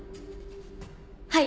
はい。